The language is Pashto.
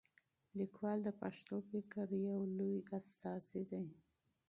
لیکوال د پښتو فکر یو لوی استازی دی.